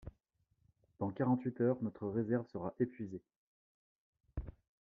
Dans quarante-huit heures, notre réserve sera épuisée.